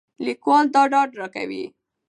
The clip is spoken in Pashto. لیکوال دا ډاډ راکوي.